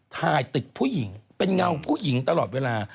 ถ่ายตึกผู้หญิงเป็นเงาผู้หญิงตลอดเวลา